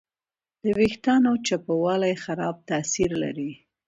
د وېښتیانو چپوالی خراب تاثیر لري.